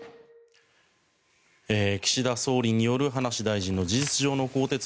岸田総理による葉梨大臣の事実上の更迭。